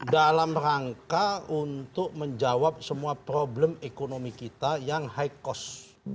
dalam rangka untuk menjawab semua problem ekonomi kita yang high cost